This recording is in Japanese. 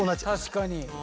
確かに。